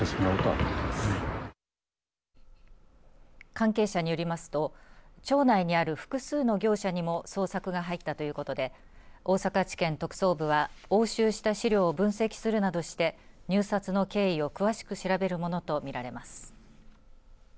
関係者によりますと町内にある複数の業者にも捜索が入ったということで大阪地検特捜部は押収した資料を分析するなどして入札の経緯を詳しく調べるものとみられます。